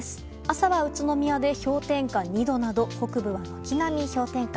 朝は宇都宮で氷点下２度など北部は軒並み氷点下。